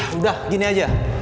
udah gini aja